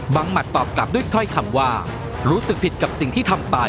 หมัดตอบกลับด้วยถ้อยคำว่ารู้สึกผิดกับสิ่งที่ทำไป